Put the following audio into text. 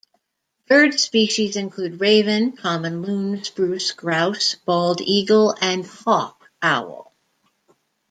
Bird species include raven, common loon, spruce grouse, bald eagle and hawk owl.